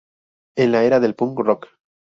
En la era del punk rock.